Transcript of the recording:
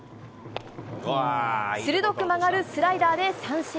鋭く曲がるスライダーで三振。